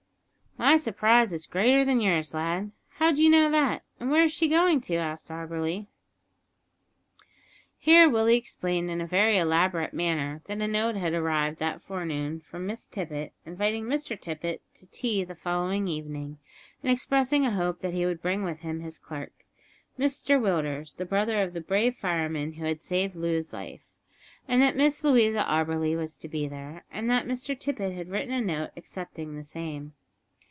"My surprise is greater than yours, lad; how d'you know that, and where is she going to?" asked Auberly. Here Willie explained in a very elaborate manner that a note had arrived that forenoon from Miss Tippet, inviting Mr Tippet to tea the following evening, and expressing a hope that he would bring with him his clerk, "Mister" Willders, the brother of the brave fireman who had saved Loo's life, and that Miss Louisa Auberly was to be there, and that Mr Tippet had written a note accepting the same.